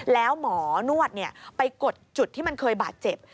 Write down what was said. แล้วหมอนวดไปกดจุดที่มันเคยบาดเจ็บ